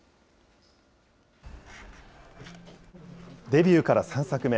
デビューから３作目。